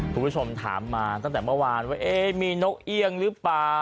คุณผู้ชมถามมาตั้งแต่เมื่อวานว่ามีนกเอี่ยงหรือเปล่า